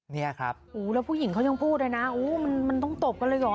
เนี้ยครับอู๋แล้วผู้หญิงเขายังพูดได้นะอู๋มันต้องตบกันเลยหรอ